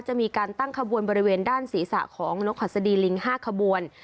จะมีการตั้งขบวนบริเวณด้านศีรษะของนกหัสดีลิง๕ขบวน